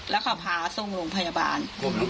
แล้วเขาพาส่งโรงพยาบาล